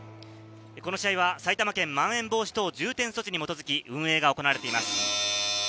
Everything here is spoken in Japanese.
この試合は埼玉県まん延防止等重点措置に基づき運営が行われています。